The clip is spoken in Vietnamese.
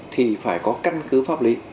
thì phải có căn cứ pháp lý